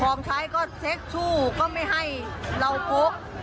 ของใช้ก็เซ็กชู่ก็ไม่ให้เราพก